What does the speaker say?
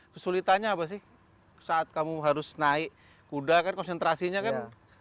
kesulitannya apa sih saat kamu harus naik kuda kan konsentrasinya kan